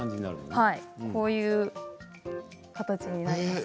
こういう形になります。